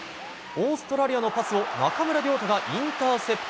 オーストラリアのパスを中村亮土がインターセプト。